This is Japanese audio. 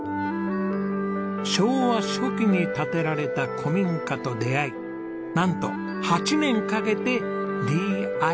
昭和初期に建てられた古民家と出会いなんと８年かけてＤＩＹ。